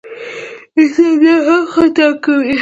انسان بیا هم خطا کوي.